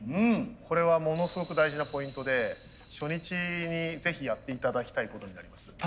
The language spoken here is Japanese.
これはものすごく大事なポイントで初日にぜひやって頂きたいことになります。